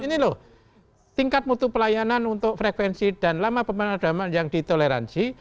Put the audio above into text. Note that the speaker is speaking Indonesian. ini loh tingkat mutu pelayanan untuk frekuensi dan lama pemadaman yang ditoleransi